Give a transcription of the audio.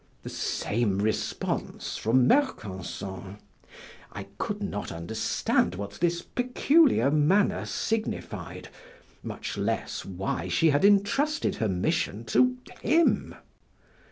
The same response from Mercanson. I could not understand what this peculiar manner signified, much less why she had entrusted her mission to him.